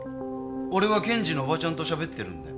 俺は検事のおばちゃんとしゃべってるんだよ。